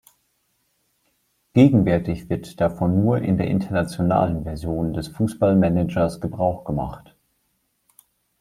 Gegenwärtig wird davon nur in der internationalen Version des Fußball Managers Gebrauch gemacht.